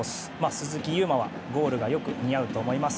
鈴木優磨はゴールが似合うと思います。